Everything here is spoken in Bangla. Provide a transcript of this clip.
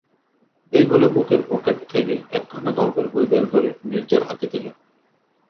এই বলে বুকের পকেট থেকে একখানা গল্পের বই বের করে নীরজার হাতে দিল।